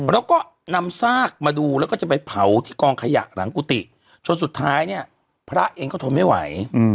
แล้วก็นำซากมาดูแล้วก็จะไปเผาที่กองขยะหลังกุฏิจนสุดท้ายเนี่ยพระเองก็ทนไม่ไหว